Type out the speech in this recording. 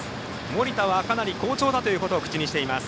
森田はかなり好調だということを口にしています。